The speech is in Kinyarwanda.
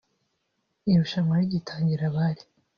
Irushanwa rigitangira bari